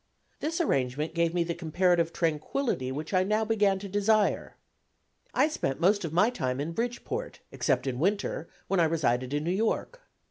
This arrangement gave me the comparative tranquillity which I now began to desire. I spent most of my time in Bridgeport, except in winter, when I resided in New York.